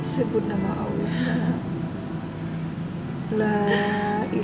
sebut nama allah